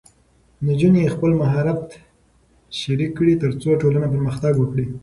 نجونې خپل مهارت شریک کړي، ترڅو ټولنه پرمختګ وکړي.